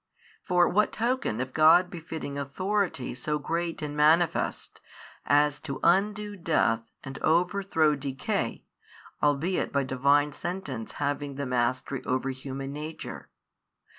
For what token of God befitting authority so great and manifest, as to undo death and overthrow decay, albeit by Divine sentence having the mastery over human nature?